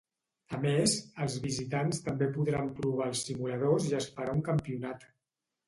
A més, els visitants també podran provar els simuladors i es farà un campionat.